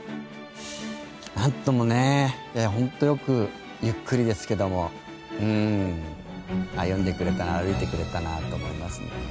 なんともね本当よくゆっくりですけども歩んでくれた歩いてくれたなと思いますね。